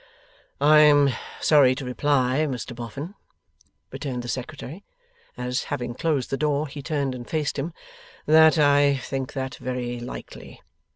'I am sorry to reply, Mr Boffin,' returned the Secretary, as, having closed the door, he turned and faced him, 'that I think that very likely.